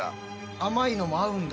甘いのも合うんだ。